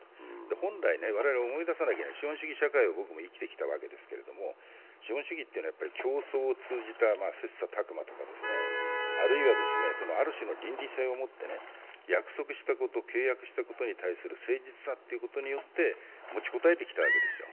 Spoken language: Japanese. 本来、我々思い出さなきゃいけない資本主義社会を生きてきたわけですが資本主義っていうのは競争を通じた切磋琢磨ですとかあるいはある種の倫理性を持って約束したこと、契約したことに対する誠実さということによって持ちこたえてきたわけですよ。